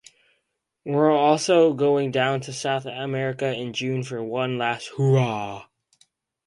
We're also going down to South America in June for one last hoorah.